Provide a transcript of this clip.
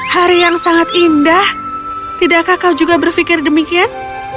hari yang sangat indah tidakkah kau juga berpikir demikian